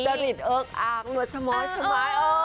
จริงเอกอักเนื้อชะม้อย